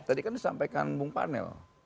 tadi kan disampaikan bung panel